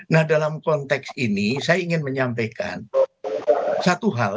nah dalam konteks ini saya ingin menyampaikan satu hal